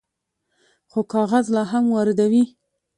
خو کاغذ لا هم واردوي.